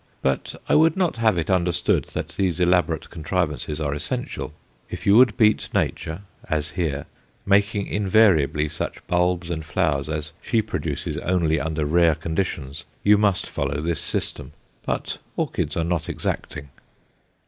But I would not have it understood that these elaborate contrivances are essential. If you would beat Nature, as here, making invariably such bulbs and flowers as she produces only under rare conditions, you must follow this system. But orchids are not exacting.